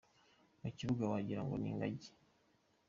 Mu kibuga wagira ngo ni ingagi.